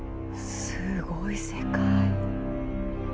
すごい世界。